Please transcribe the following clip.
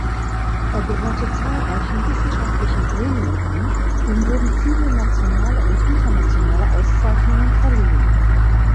Er gehörte zahlreichen wissenschaftlichen Gremien an, ihm wurden viele nationale und internationale Auszeichnungen verliehen.